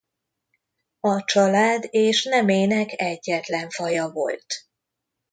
A család és nemének egyetlen faja volt.